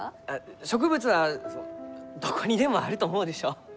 植物はどこにでもあると思うでしょ？